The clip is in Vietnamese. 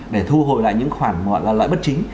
để thu hồi lại những khoản loại bất chính